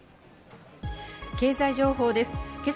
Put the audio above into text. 経済情報です。